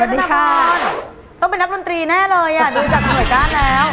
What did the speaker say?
ธนพรต้องเป็นนักดนตรีแน่เลยอ่ะดูจากหน่วยก้านแล้ว